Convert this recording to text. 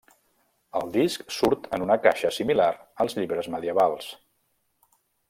El disc surt en una caixa similar als llibres medievals.